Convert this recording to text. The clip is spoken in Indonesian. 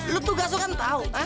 lo tugas lo kan tau